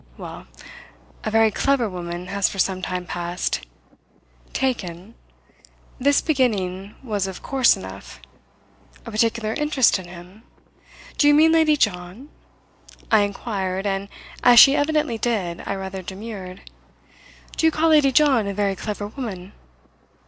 "Well, a very clever woman has for some time past " "Taken" this beginning was of course enough "a particular interest in him? Do you mean Lady John?" I inquired; and, as she evidently did, I rather demurred. "Do you call Lady John a very clever woman?"